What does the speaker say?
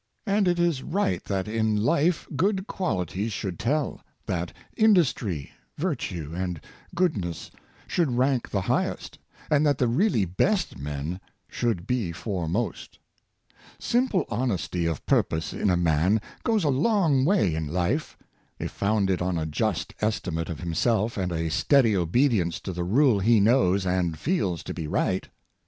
And it is right that in life good qualities should tell — that industry, virtue, and goodness should rank the highest — and that the really best men should be foremost. Simple honesty of purpose in a man goes a long way in life, if founded on a just estimate of himself and a steady obedience to the rule he knows and feels to be right.